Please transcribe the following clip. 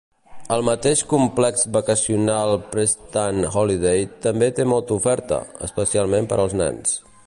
El mateix complex vacacional Prestatyn Holiday també té molta oferta, especialment per als nens.